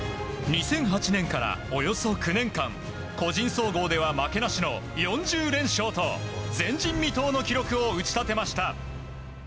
２００８年から、およそ９年間個人総合では負けなしの４０連勝と前人未到の記録を打ち立てました。